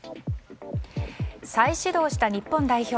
再始動した日本代表。